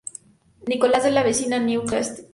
Nicholas de la vecina Newcastle.